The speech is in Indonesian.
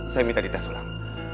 saya minta dikasih ulang